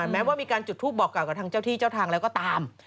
แม้ว่ามีการจุดทูปบอกกล่าวกับทางเจ้าที่เจ้าทางแล้วก็ตาม